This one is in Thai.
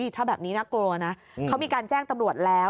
ถ้าแบบนี้น่ากลัวนะเขามีการแจ้งตำรวจแล้ว